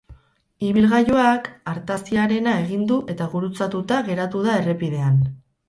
Ibilgailuak artaziarena egin du eta gurutzatuta geratu da errepidean.